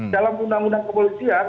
dalam undang undang kepolisian